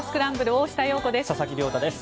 大下容子です。